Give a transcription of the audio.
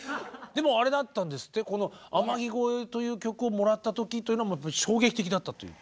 でもあれだったんですってこの「天城越え」という曲をもらった時というのはもう衝撃的だったという。